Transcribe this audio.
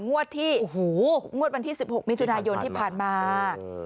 งวดที่โอ้โหงวดวันที่๑๖มิถุนายนที่ผ่านมา